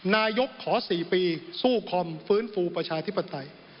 นายกขอ๔ปีสู้คอมฟื้นฟูประชาธิปไตย